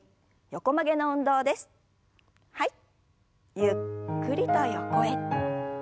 ゆっくりと横へ。